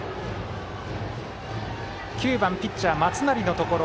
９番、ピッチャー松成のところ。